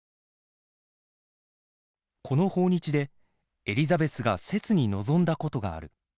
この訪日でエリザベスが切に望んだことがある。